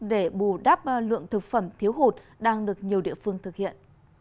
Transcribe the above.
để bù đáp lượng thực phẩm thiếu hụt đang được nhiều địa phương thực hiện